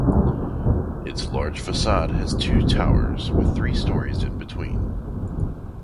Its large facade has two towers with three stories in between.